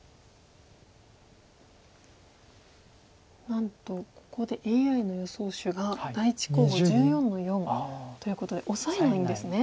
なんとここでＡＩの予想手が第１候補１４の四ということでオサえないんですね。